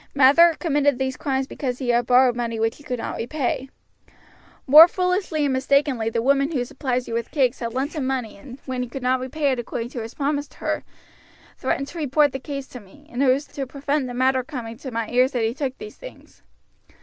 Mather committed these crimes because he had borrowed money which he could not repay. Most foolishly and mistakenly the woman who supplies you with cakes had lent him money and when he could not repay it according to his promise to her, threatened to report the case to me, and it was to prevent the matter coming to my ears that he took these things.